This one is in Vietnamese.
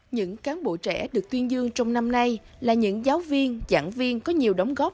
những cán bộ trẻ được tuyên dương trong năm nay là những giáo viên giảng viên có nhiều đóng góp